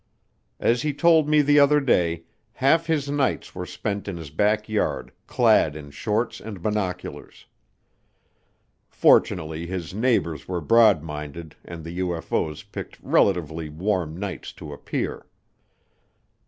As he told me the other day, half his nights were spent in his backyard clad in shorts and binoculars. Fortunately his neighbors were broad minded and the UFO's picked relatively warm nights to appear.